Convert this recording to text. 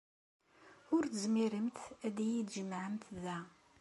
Ur tezmiremt ad iyi-tjemɛemt da.